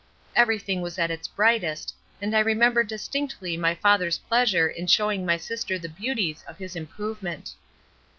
Everything was at its brightest and I remember distinctly my father's pleasure in showing my sister the beauties of his "improvement."